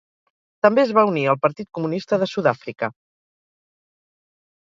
També es va unir al Partit Comunista de Sud-àfrica.